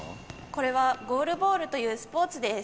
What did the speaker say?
これはゴールボールというスポーツです。